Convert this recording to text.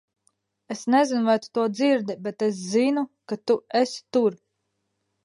Es nezinu vai tu to dzirdi, bet es zinu, ka tu esi tur!